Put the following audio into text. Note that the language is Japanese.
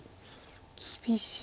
厳しい。